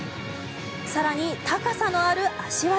更に、高さのある脚技。